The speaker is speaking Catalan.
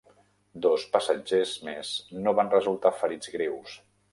Dos passatgers més no van resultar ferits greus.